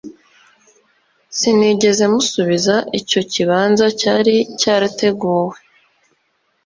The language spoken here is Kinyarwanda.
Sinigeze musubiza Icyo kibanza cyari cyarateguwe